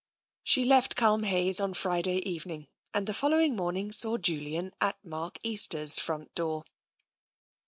She left Culmhayes on Friday evening, and the fol lowing morning saw Julian at Mark Easter's front door.